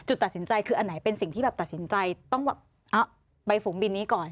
ตัดสินใจคืออันไหนเป็นสิ่งที่แบบตัดสินใจต้องแบบเอาไปฝูงบินนี้ก่อน